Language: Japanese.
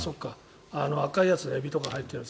赤いやつだエビとかに入ってるやつ。